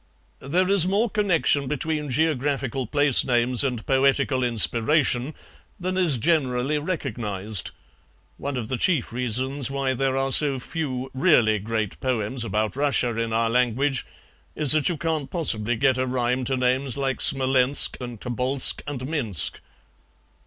"There is more connection between geographical place names and poetical inspiration than is generally recognized; one of the chief reasons why there are so few really great poems about Russia in our language is that you can't possibly get a rhyme to names like Smolensk and Tobolsk and Minsk."